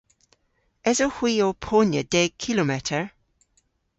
Esowgh hwi ow ponya deg kilometer?